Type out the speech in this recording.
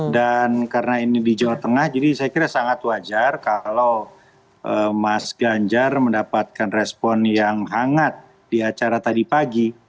dan karena ini di jawa tengah jadi saya kira sangat wajar kalau mas ganjar mendapatkan respon yang hangat di acara tadi pagi